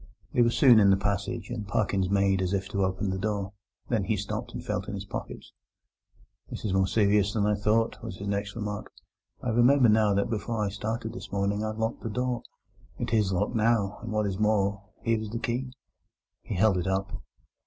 They were soon in the passage, and Parkins made as if to open the door. Then he stopped and felt in his pockets. "This is more serious than I thought," was his next remark. "I remember now that before I started this morning I locked the door. It is locked now, and, what is more, here is the key." And he held it up.